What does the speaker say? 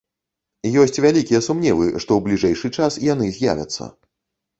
Ёсць вялікія сумневы, што ў бліжэйшы час яны з'явяцца.